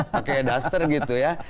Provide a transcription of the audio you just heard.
pakai duster gitu ya